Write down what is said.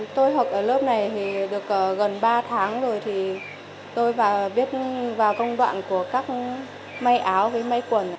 tôi học ở lớp này thì được gần ba tháng rồi thì tôi và biết vào công đoạn của các may áo với may quần